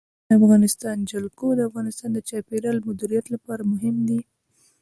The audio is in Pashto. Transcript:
د افغانستان جلکو د افغانستان د چاپیریال د مدیریت لپاره مهم دي.